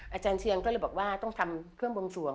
อาจารย์เชียงก็เลยบอกว่าต้องทำเครื่องบวงสวง